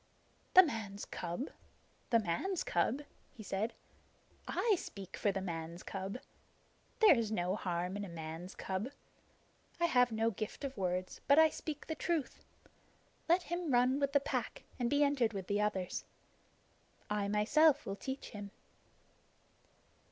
"The man's cub the man's cub?" he said. "I speak for the man's cub. There is no harm in a man's cub. I have no gift of words, but I speak the truth. Let him run with the Pack, and be entered with the others. I myself will teach him."